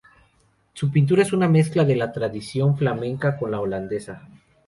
Su pintura es una mezcla de la tradición flamenca con la holandesa.